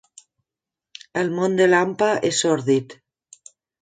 El món de l'hampa és sòrdid.